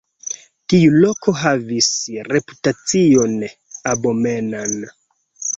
Tiu loko havis reputacion abomenan.